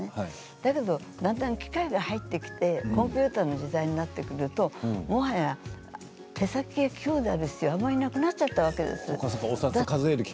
だけどだんだん機械が入ってきてコンピューターの時代になるともはや手先が器用である必要はあまりなくなっちゃったわけです。